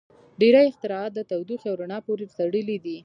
• ډېری اختراعات د تودوخې او رڼا پورې تړلي دي.